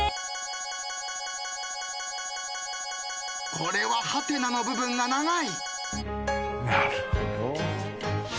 これははてなの部分が長い。